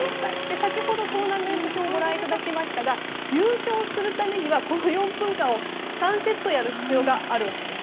先ほどトーナメント表をご覧いただきましたが優勝するためには、この４分間を３セットやる必要があるわけです。